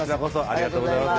ありがとうございます